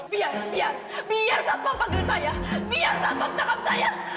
biar biar biar saat papa beli saya biar saat papa menangkap saya